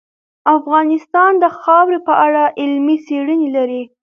افغانستان د خاوره په اړه علمي څېړنې لري.